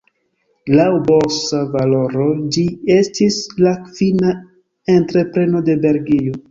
Laŭ borsa valoro ĝi estis la kvina entrepreno de Belgio.